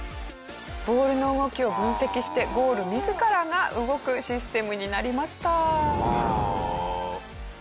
ボールの動きを分析してゴール自らが動くシステムになりました。